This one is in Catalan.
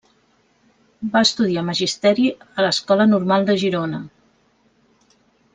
Va estudiar magisteri a l'Escola Normal de Girona.